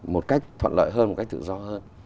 một cách thuận lợi hơn một cách tự do hơn